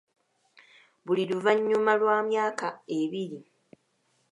Buli luvannyma lwa myaka ebiri.